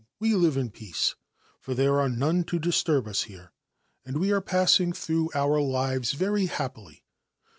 We live in peace, for there are none to disturb i here, and we are passing through our lives very happily.